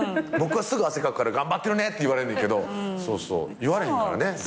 僕はすぐ汗かくから「頑張ってるね」って言われんねんけど言われへんからね。